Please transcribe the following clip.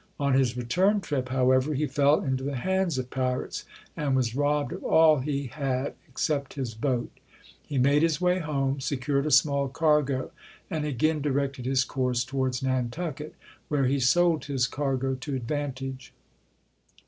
On his return trip, however, he fell into the hands of pirates and was robbed of all he had except his boat. He made his way home, secured a small cargo and again directed his course towards Nan tucket, where he sold his cargo to advantage.